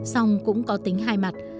song cũng có tính hai mặt